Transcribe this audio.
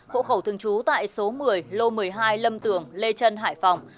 hộ khẩu thương chú tại số một mươi lô một mươi hai lâm tường lê trân hải phòng